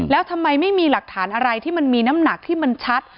แล้วทำไมไม่มีหลักฐานอะไรที่มันมีน้ำหนักที่มันชัด